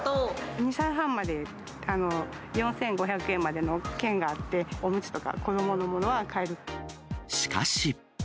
２歳半まで４５００円までの券があって、おむつとか子どものしかし。